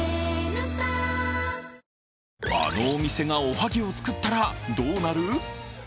あのお店がおはぎを作ったらどうなる？